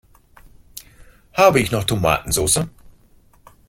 Habe ich noch Tomatensoße?